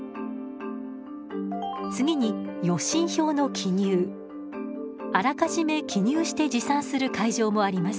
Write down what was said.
次にあらかじめ記入して持参する会場もあります。